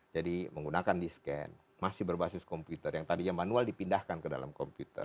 jadi menggunakan diskan masih berbasis komputer yang tadinya manual dipindahkan ke dalam komputer